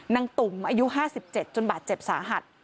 ตุ่มอายุ๕๗จนบาดเจ็บสาหัส